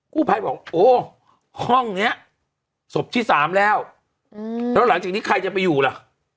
ผู้ภัยบอกโอ้ห้องเนี้ยศพที่สามแล้วแล้วหลังจากนี้ใครจะไปอยู่ล่ะ